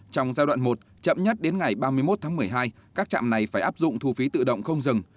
trong giai đoạn một chậm nhất đến ngày ba mươi một tháng một mươi hai các trạm này phải áp dụng thu phí tự động không dừng